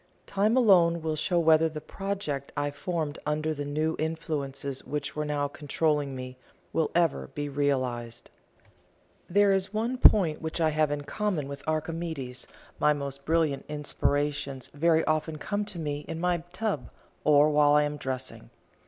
Time alone will show whether the project I formed under the new influences which were now controlling me, will ever be realised. There is one point which I have in common with Archimedes, my most brilliant inspirations very often come to me in my tub, or while I am dressing.